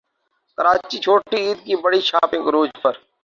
کراچی چھوٹی عید کی بڑی شاپنگ عروج پر